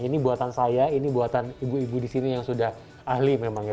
ini buatan saya ini buatan ibu ibu di sini yang sudah ahli memang ya